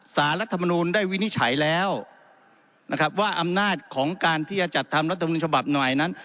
รัฐมนูลได้วินิจฉัยแล้วนะครับว่าอำนาจของการที่จะจัดทำรัฐมนุนฉบับใหม่นั้น